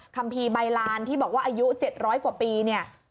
ัมภีร์ใบลานที่บอกว่าอายุ๗๐๐กว่าปีเนี่ย